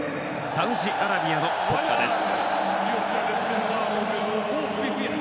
サウジアラビアの国歌です。